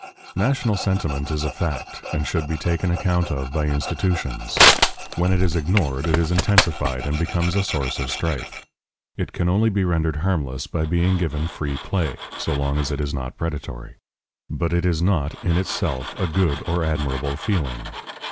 National sentiment is a fact, and should be taken account of by institutions. When it is ignored, it is intensified and becomes a source of strife. It can only be rendered harmless by being given free play, so long as it is not predatory. But it is not, in itself, a good or admirable feeling.